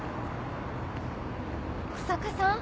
日下さん。